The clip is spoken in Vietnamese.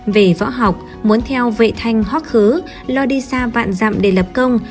về võ học muốn theo vệ thanh hóa khứ lo đi xa vạn dặm để lập công